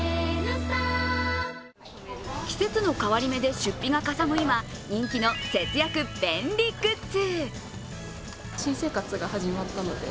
季節の変わり目で出費がかさむ今、人気の節約便利グッズ。